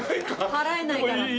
払えないからって？